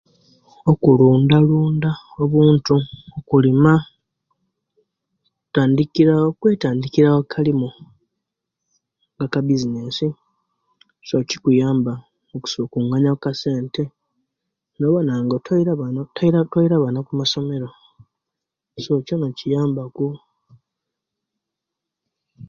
Okulunda lunda obuntu, okulima okutadikirawo kwetandikirawo, akalimu, akabizinesi so kikuyamba okusobola okuganiya ku akasente nobona nga otwaire abaana kumasomero so kyona kiyamba ku